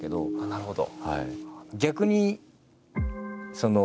なるほど。